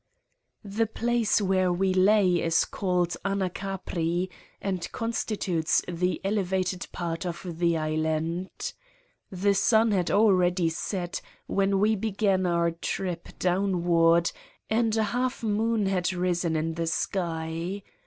The place where we lay is called Anacapri and constitutes the elevated part of the island. The sun had already set when we began our trip down ward and a half moon had risen in the sky.